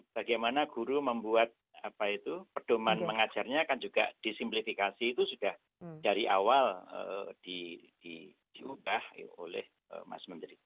bagaimana guru membuat apa itu perdoman mengajarnya kan juga disimplifikasi itu sudah dari awal diubah oleh mas menteri